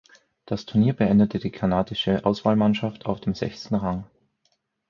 Das Turnier beendete die kanadische Auswahlmannschaft auf dem sechsten Rang.